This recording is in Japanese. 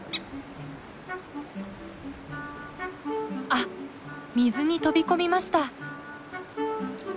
あっ水に飛び込みました！